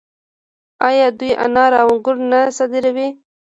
آیا دوی انار او انګور نه صادروي؟